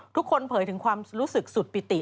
เผยถึงความรู้สึกสุดปิติ